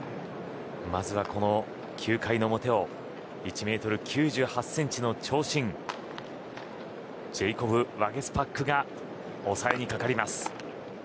まずは、この９回の表を１ｍ９８ｃｍの長身ジェイコブ・ワゲスパックが抑えにかかります。